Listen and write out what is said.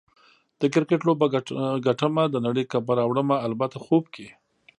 د کرکټ لوبه ګټمه، د نړۍ کپ به راوړمه - البته خوب کې